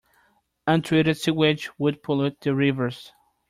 Untreated sewage would pollute the rivers.